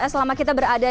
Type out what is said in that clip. selama kita berada